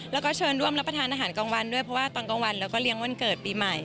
แล้วก็เชิญร่วมรับประทานอาหารกลางวันด้วยเพราะว่าตอนกลางวันแล้วก็เลี้ยงวันเกิดปีใหม่